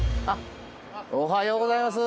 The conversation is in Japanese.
おはようございます。